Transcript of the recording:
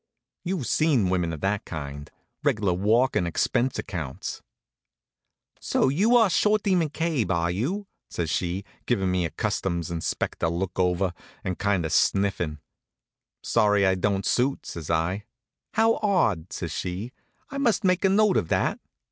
You've seen women of that kind reg'lar walkin' expense accounts. "So you are Shorty McCabe, are you?" says she, givin' me a customs inspector look over, and kind of sniffin'. "Sorry I don't suit," says I. "How odd!" says she. "I must make a note of that."